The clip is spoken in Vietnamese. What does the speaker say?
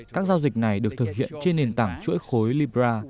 các giao dịch này được thực hiện trên nền tảng chuỗi khối libra